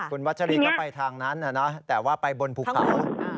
คุณวัชรีก็ไปทางนั้นนะแต่ว่าไปบนภูเขา